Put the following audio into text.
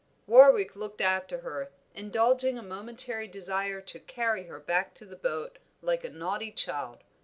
Warwick looked after her, indulging a momentary desire to carry her back to the boat, like a naughty child.